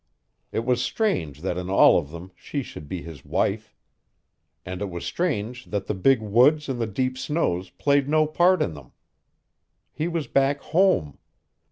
It was strange that in all of them she should be his wife. And it was strange that the big woods and the deep snows played no part in them. He was back home.